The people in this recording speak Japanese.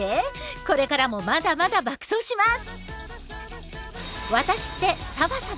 これからもまだまだ爆走します！